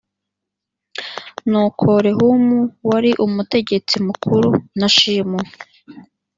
nuko rehumu wari umutegetsi mukuru na shimu